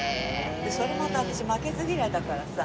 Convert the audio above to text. それまた私負けず嫌いだからさ